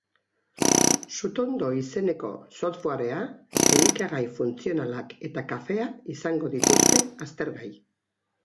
Sutondo izeneko softwarea, elikagai funtzionalak eta kafea izango dituzte aztergai.